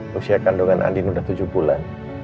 lu siap kandungan andin udah tujuh bulan